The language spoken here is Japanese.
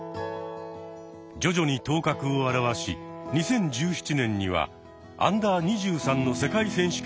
徐々に頭角を現し２０１７年にはＵ２３の世界選手権に出場。